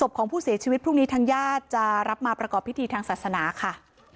ของผู้เสียชีวิตพรุ่งนี้ทางญาติจะรับมาประกอบพิธีทางศาสนาค่ะ